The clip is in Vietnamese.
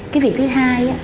cái việc thứ hai